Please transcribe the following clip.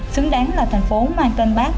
xứng đáng là thành phố mang tên bác